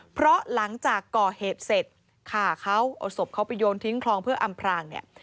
เพราะหลังจากก่อเหตุเสร็จฆ่าเขาเอาศพเขาไปโยนทิ้งคลองเพื่ออำพรางเนี่ย